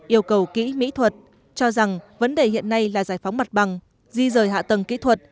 yêu cầu kỹ mỹ thuật cho rằng vấn đề hiện nay là giải phóng mặt bằng di rời hạ tầng kỹ thuật